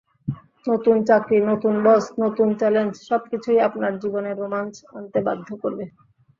নতুন চাকরি, নতুন বস, নতুন চ্যালেঞ্জ—সবকিছুই আপনার জীবনে রোমাঞ্চ আনতে বাধ্য করবে।